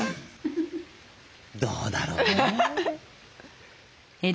どうだろうな？